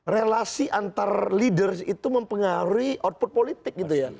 relasi antar leaders itu mempengaruhi output politik gitu ya